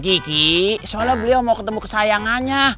gigi soalnya beliau mau ketemu kesayangannya